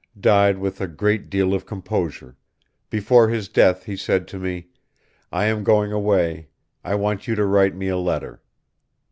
Died with a great deel of composure, before his death he said to me 'I am going away I want you to write me a letter.'